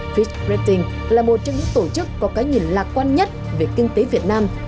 fitch trading là một trong những tổ chức có cái nhìn lạc quan nhất về kinh tế việt nam